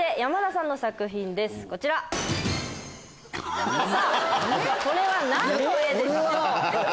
さぁこれは何の絵でしょう？